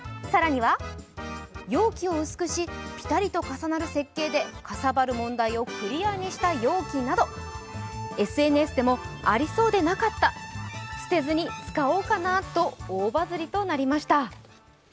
更には、容器を薄くし、ピタリとかさなるる設計でかさばる問題をクリアにした容器などＳＮＳでも、ありそうでなかった捨てずに使おうかなと大バズりとなりました。